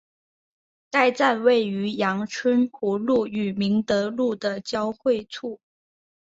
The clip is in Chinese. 该站位于杨春湖路与明德路的交汇处。